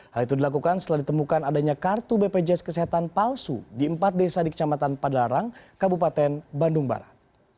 hal itu dilakukan setelah ditemukan adanya kartu bpjs kesehatan palsu di empat desa di kecamatan padalarang kabupaten bandung barat